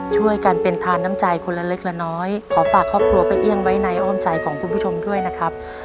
ช่วยกันเป็นทานน้ำใจคนละเล็กละน้อยขอฝากครอบครัวป้าเอี่ยงไว้ในอ้อมใจของคุณผู้ชมด้วยนะครับ